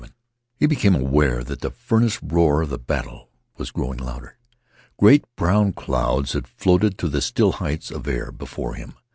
He became aware that the furnace roar of the battle was growing louder. Great brown clouds had floated to the still heights of air before him.